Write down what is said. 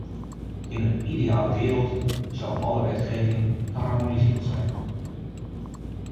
In een ideale wereld zou alle wetgeving geharmoniseerd zijn.